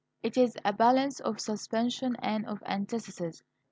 It is a balance of suspension and of antithesis.